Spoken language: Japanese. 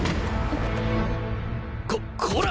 ここら！